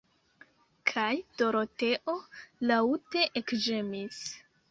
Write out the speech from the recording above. Kaj Doroteo laŭte ekĝemis.